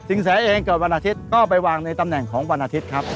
แสเองเกิดวันอาทิตย์ก็ไปวางในตำแหน่งของวันอาทิตย์ครับ